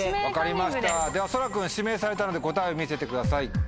分かりましたではそら君指名されたので答えを見せてください。